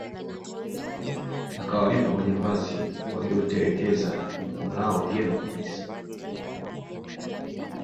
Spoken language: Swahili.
Akawalipa majambazi waliolitekeleza jukumu lao vyema kabisa